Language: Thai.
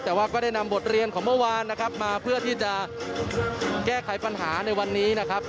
แต่ว่าก็ได้นำบทเรียนของเมื่อวานนะครับมาเพื่อที่จะแก้ไขปัญหาในวันนี้นะครับ